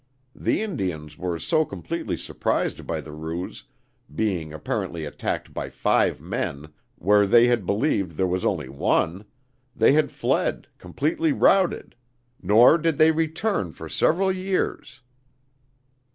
The Indians were so completely surprised by the ruse, being apparently attacked by five men, where they had believed there was only one, that they fled, completely routed, nor did they return for several years.